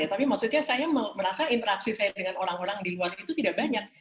tapi maksudnya saya merasa interaksi saya dengan orang orang di luar itu tidak banyak